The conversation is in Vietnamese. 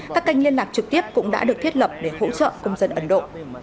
các kênh liên lạc trực tiếp cũng đã được thiết lập để hỗ trợ công dân ấn độ